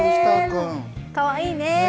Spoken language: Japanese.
かわいいね。